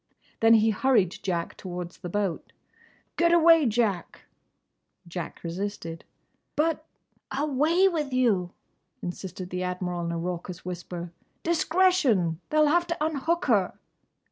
Then he hurried Jack towards the boat. "Get away, Jack!" Jack resisted. "But—!" "Away with you!" insisted the Admiral in a raucous whisper. "Discretion!—They'll have to unhook her!"